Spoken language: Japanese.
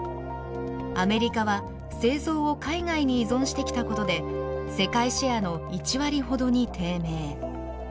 アメリカは製造を海外に依存してきたことで世界シェアの１割ほどに低迷。